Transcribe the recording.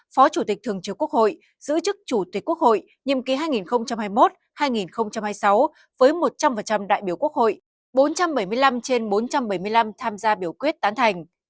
phó chủ tịch thường trực quốc hội giữ chức chủ tịch quốc hội nhiệm ký hai nghìn hai mươi một hai nghìn hai mươi sáu với một trăm linh đại biểu quốc hội bốn trăm bảy mươi năm trên bốn trăm bảy mươi năm tham gia biểu quyết tán thành